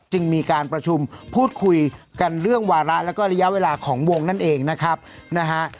จึงมีการประชุมพูดคุยกันเรื่องวาระแล้วก็ระยะเวลาของวงนั่นเองนะครับนะฮะ